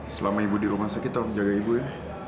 selama ibu di rumah sakit harus jaga ibu ya